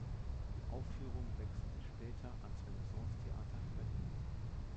Die Aufführung wechselte später ans Renaissance-Theater Berlin.